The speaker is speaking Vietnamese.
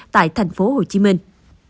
tại thành phố hồ chí minh